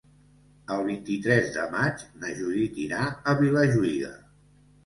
El vint-i-tres de maig na Judit irà a Vilajuïga.